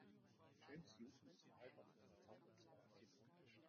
James Houghton ist verheiratet und Vater zweier Kinder.